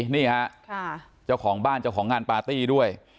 นี่ฮะเจ้าของบ้านเจ้าของงานปาร์ตี้ด้วย